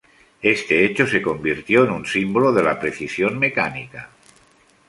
Este hecho se convirtió en un símbolo de la precisión mecánica.